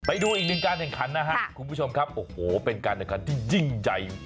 ไปดูอีกหนึ่งการแข่งขันนะครับคุณผู้ชมครับโอ้โหเป็นการแข่งขันที่ยิ่งใหญ่